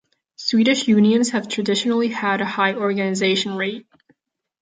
Swedish unions have traditionally had a high organisation rate.